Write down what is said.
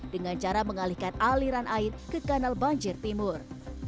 dengan cara mengalihkan aliran air ke kanal banjir timur